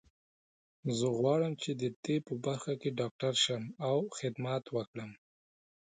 زه غواړم چې د طب په برخه کې ډاکټر شم او خدمت وکړم